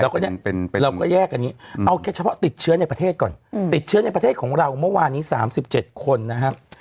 แล้วก็เนี่ยเราก็แยกกันอย่างนี้เอาแค่เฉพาะติดเชื้อในประเทศก่อนติดเชื้อในประเทศของเราเมื่อวานนี้๓๗คนนะครับ